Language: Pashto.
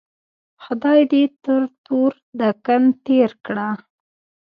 خدای دې تر تور دکن تېر کړه.